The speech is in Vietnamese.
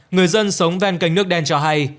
người dân sống ven kênh nước đen cho hay